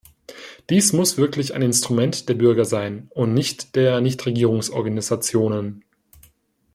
Dies muss wirklich ein Instrument der Bürger sein und nicht der Nichtregierungsorganisationen.